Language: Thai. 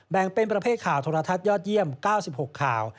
แบ่งเป็นประเภทข่าวโทรทัศน์ยอดเยี่ยม๙๖ข่าว